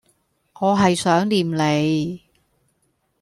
我係想念你